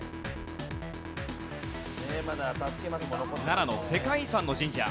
奈良の世界遺産の神社。